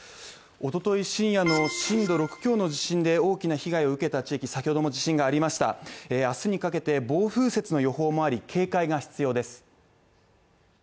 おととい深夜の震度６強の地震で大きな被害を受けた地域、先ほども地震がありました、明日にかけて暴風雪の予報もあり警戒が必要です。